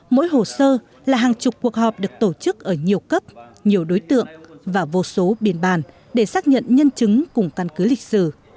mỗi hồ sơ là hàng chục cuộc họp được tổ chức ở nhiều cấp nhiều đối tượng và vô số biên bàn để xác nhận nhân chứng cùng căn cứ lịch sử